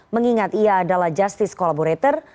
mengingat ia adalah justice collaborator